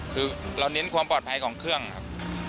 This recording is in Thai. คือเราเน้นความปลอดภัยของเครื่องครับ